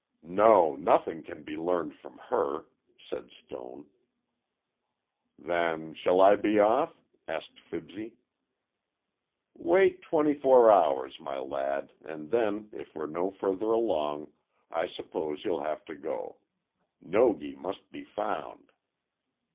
"No, nothing can be learned from her," said Stone. "Then, shall I be off?" asked Fibsy. "Wait twenty four hours, my lad, and then if we're no further along, I suppose you'll have to go. Nogi must be found."